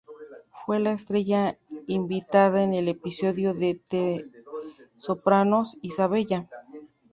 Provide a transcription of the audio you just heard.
Fue la estrella invitada en el episodio de "The Sopranos" "Isabella".